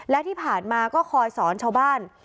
และที่ผ่านมาก็คอยสอนชาวบ้าน